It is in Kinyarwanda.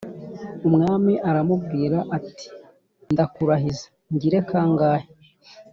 Umwami aramubwira ati “Ndakurahiza ngire kangahe